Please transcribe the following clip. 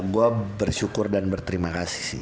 gue bersyukur dan berterima kasih